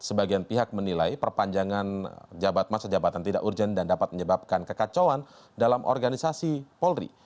sebagian pihak menilai perpanjangan masa jabatan tidak urgent dan dapat menyebabkan kekacauan dalam organisasi polri